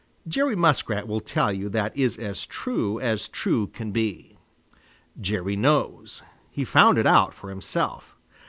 Jerry Muskrat will tell you that is as true as true can be. Jerry knows. He found it out for himself.